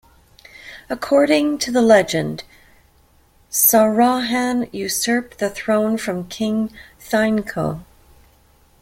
According to the legend, Sawrahan usurped the throne from King Theinhko.